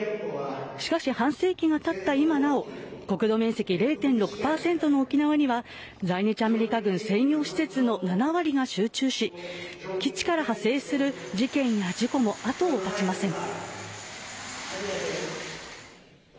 しかし、半世紀がたった今なお国土面積０．６％の沖縄には在日アメリカ軍専用施設の７割が集中し基地から派生する事件や事故も後を絶ちません。